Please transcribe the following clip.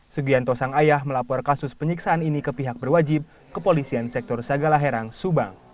sugianto sang ayah melapor kasus penyiksaan ini ke pihak berwajib kepolisian sektor sagala herang subang